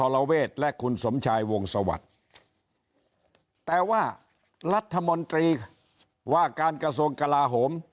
รัฐมนตรีว่าการกระทรวงกลาโหม